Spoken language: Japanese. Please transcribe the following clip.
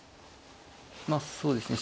まあそうですね